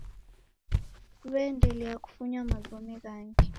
Siw'eendelia kufunya magome ghangi